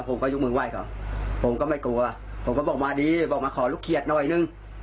ผมก็ยกมือไหว้ก่อนผมก็ไม่กลัวผมก็บอกมาดีบอกมาขอลูกเขียดหน่อยนึง